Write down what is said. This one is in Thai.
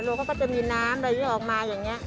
เขาก็จะมีน้ำอะไรที่ออกมาอย่างนี้